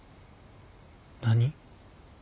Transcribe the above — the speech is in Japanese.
何？